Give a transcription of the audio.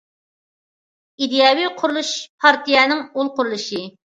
ئىدىيەۋى قۇرۇلۇشى پارتىيەنىڭ ئۇل قۇرۇلۇشى.